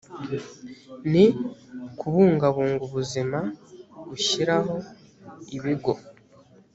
ni kubungabunga ubuzima gushyiraho ibigo